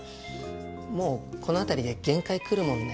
もうこの辺りで限界くるもんね。